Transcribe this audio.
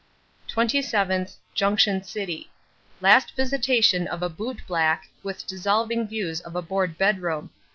27th, Junction City. Last visitation of a boot black, with dissolving views of a board bedroom.